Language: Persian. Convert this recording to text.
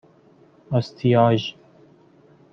آستیاژ